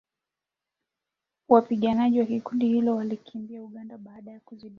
Wapiganaji wa kundi hilo walikimbilia Uganda baada ya kuzidiwa